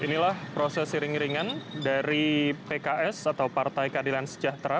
inilah proses iring iringan dari pks atau partai keadilan sejahtera